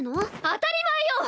当たり前よ！